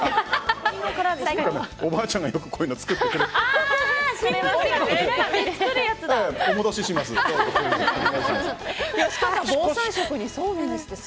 おばあちゃんがよくこういうの作ってくれて。